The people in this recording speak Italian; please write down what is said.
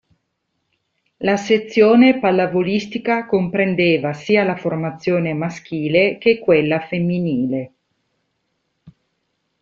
La sezione pallavolistica comprendeva sia la formazione maschile che quella femminile.